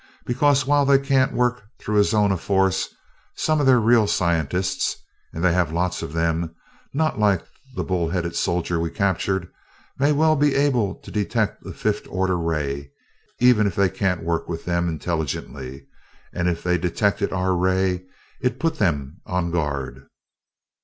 Because while they can't work through a zone of force, some of their real scientists and they have lots of them, not like the bull headed soldier we captured may well be able to detect a fifth order ray even if they can't work with them intelligently and if they detected our ray, it'd put them on guard."